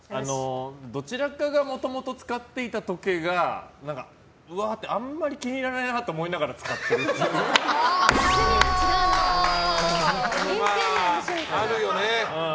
どちらかがもともと使っていた時計がうわーって、あんまり気に入らないなと思いながらあるよね。